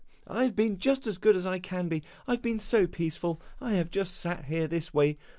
I have been just as good as I can be. I have been so peaceful, I have just sat here this way.